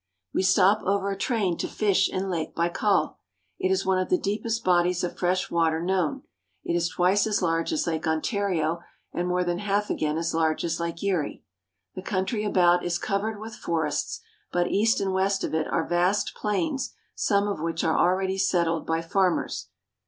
We stop over a train to fish in Lake Baikal. It is one of the deepest bodies of fresh water known. It is twice as large as Lake Ontario and more than half again as large as Lake Erie. The country about is covered with forests, 376 RUSSIA IN ASIA but east and west of it are vast plains some of which are already settled by farmers.